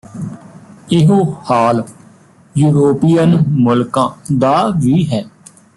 ਇਹੋ ਹਾਲ ਯੁਰੋਪੀਅਨ ਮੁਲਕਾਂ ਦਾ ਵੀ ਹੈ